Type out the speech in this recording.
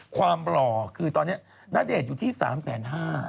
ความหล่อคือตอนนี้นาเดชอยู่ที่๓๕แสน